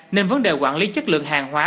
nên vấn đề quản lý chất lượng hàng hóa